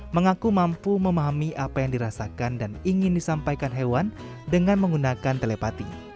mengaku mampu memahami apa yang dirasakan dan ingin disampaikan hewan dengan menggunakan telepati